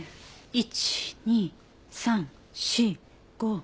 １２３４５６。